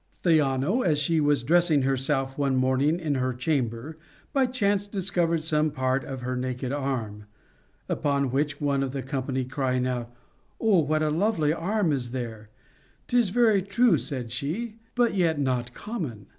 Theano, as she was dressing herself one morning in her chamber, by chance discovered some part of her naked arm. Upon which, one of the company crying out, Oh, what a lovely arm is there !— Tis very true, said she, but yet not common.